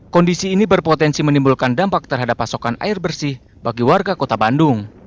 kondisi ini berpotensi menimbulkan dampak terhadap pasokan air bersih bagi warga kota bandung